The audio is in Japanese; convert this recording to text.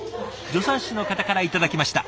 助産師の方から頂きました。